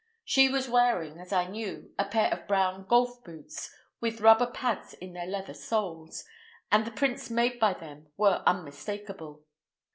She was wearing, as I knew, a pair of brown golf boots, with rubber pads in the leather soles, and the prints made by them were unmistakable.